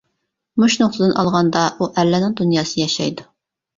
مۇشۇ نۇقتىدىن ئالغاندا، ئۇ ئەرلەرنىڭ دۇنياسىدا ياشايدۇ.